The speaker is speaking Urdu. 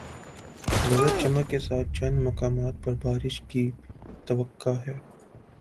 گرج چمک کے ساتھ چند مقامات پر بارش کی توقع ہے